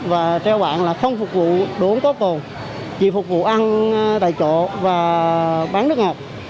và treo bạn là không phục vụ đồ uống tốt tồn chỉ phục vụ ăn tại chỗ và bán nước ngọt